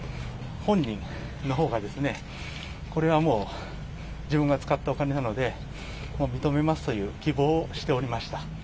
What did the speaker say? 本人のほうが、これはもう、自分が使ったお金なので、もう認めますという希望をしておりました。